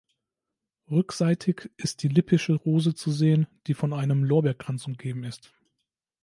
Rückseitig ist die Lippische Rose zu sehen, die von einem Lorbeerkranz umgeben ist.